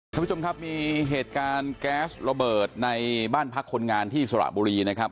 ท่านผู้ชมครับมีเหตุการณ์แก๊สระเบิดในบ้านพักคนงานที่สระบุรีนะครับ